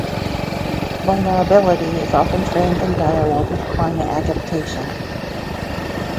Vulnerability is often framed in dialogue with climate adaptation.